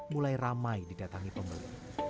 mulai ramai didatangi pembeli